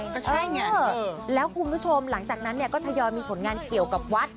ก็ใช่ไงแล้วคุณผู้ชมหลังจากนั้นเนี่ยก็ทยอยมีผลงานเกี่ยวกับวัด